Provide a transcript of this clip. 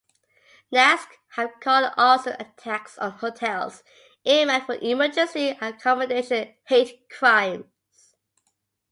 Nasc have called the arson attacks on hotels earmarked for emergency accommodation hate crimes.